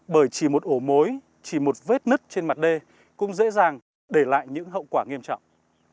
bởi chỉ một ổ mối chỉ một vết nứt trên mặt đê cũng dễ dàng để lại những hậu quả nghiêm trọng